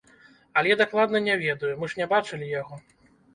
Але дакладна не ведаю, мы ж не бачылі яго.